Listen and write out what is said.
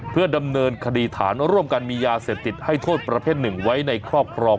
เพื่อดำเนินคดีฐานร่วมกันมียาเสพติดให้โทษประเภทหนึ่งไว้ในครอบครอง